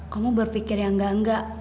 kamu berpikir yang enggak enggak